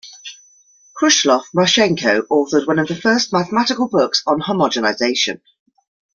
Khruslov, Marchenko authored one of the first mathematical books on homogenization.